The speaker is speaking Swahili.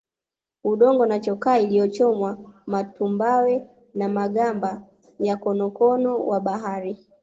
Udongo na chokaa iliyochomwa matumbawe na magamba ya konokono wa bahari